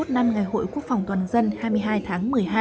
ba mươi một năm ngày hội quốc phòng toàn dân hai mươi hai tháng một mươi hai